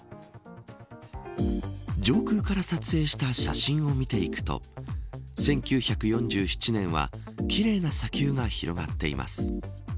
上空から撮影した写真を見ていくと１９４７年は奇麗な砂丘が広がっています。